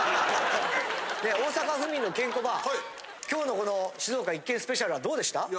今日のこの静岡１県スペシャルはどうでした？